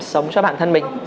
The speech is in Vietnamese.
sống cho bản thân mình